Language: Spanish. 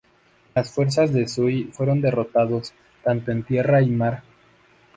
Las fuerzas de Sui fueron derrotados, tanto en tierra y mar.